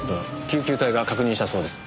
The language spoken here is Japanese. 救急隊が確認したそうです。